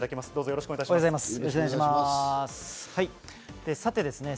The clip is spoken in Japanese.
よろしくお願いします。